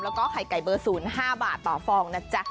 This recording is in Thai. แล้วก็ไข่ไก่เบอร์๐๕บาทต่อฟองนะจ๊ะ